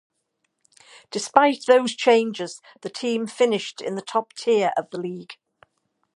Despite those changes, the team finished in the top tier of the league.